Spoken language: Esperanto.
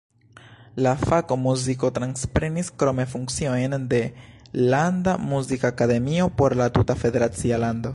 La fako muziko transprenis krome funkciojn de landa muzikakademio por la tuta federacia lando.